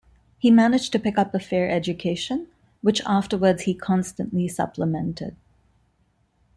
He managed to pick up a fair education, which afterwards he constantly supplemented.